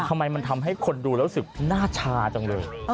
ทำไมมันทำให้คนดูแล้วรู้สึกหน้าชาจังเลย